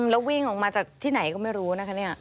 แล้ววิ่งออกมาจากที่ไหนก็ไม่รู้นะคะเนี่ย